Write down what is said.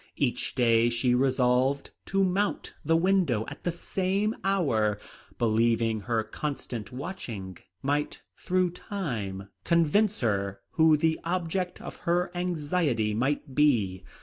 Each day she resolved to mount the window at the same hour, believing her constant watching might through time convince her who the object of her anxiety might be.